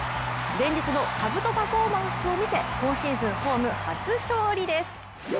連日のかぶとパフォーマンスを見せ、今シーズンホーム初勝利です。